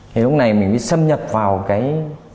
thì lúc này mình đi xâm nhập vào cái